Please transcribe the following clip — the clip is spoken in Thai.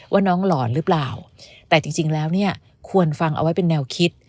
ว่าน้องหลอนหรือเปล่าแต่จริงแล้วเนี่ยควรฟังเอาไว้เป็นแนวคิด